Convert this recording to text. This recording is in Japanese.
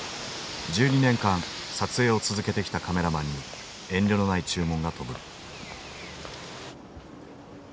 １２年間撮影を続けてきたカメラマンに遠慮のない注文が飛ぶ。